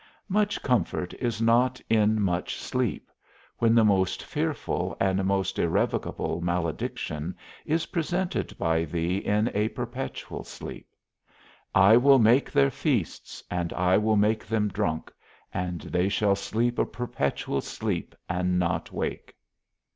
Much comfort is not in much sleep, when the most fearful and most irrevocable malediction is presented by thee in a perpetual sleep. _I will make their feasts, and I will make them drunk, and they shall sleep a perpetual sleep, and not wake.